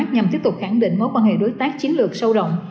nhằm tiếp tục khẳng định mối quan hệ đối tác chiến lược sâu rộng